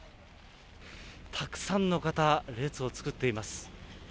たくさんの方、列を作っています。